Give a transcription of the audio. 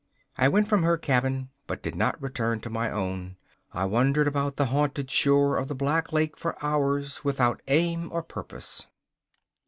I went from her cabin, but did not return to my own. I wandered about the haunted shore of the Black Lake for hours, without aim or purpose.